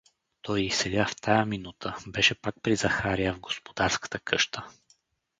Той и сега, в тая минута, беше пак при Захария в господарската къща.